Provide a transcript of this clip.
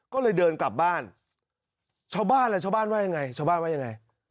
ก็เลยเดินกลับบ้านชาวบ้านล่ะชาวบ้านว่ายังไงชาวบ้านว่ายังไง